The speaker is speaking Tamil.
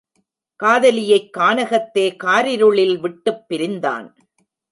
காதலியைக் கானகத்தே காரிருளில் விட்டுப் பிரிந்தான்.